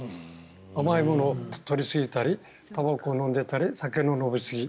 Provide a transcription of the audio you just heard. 甘いものを取りすぎたりたばこを飲んだり酒の飲みすぎ。